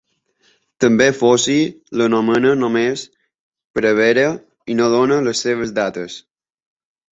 També Foci l'anomena només prevere i no dóna les seves dates.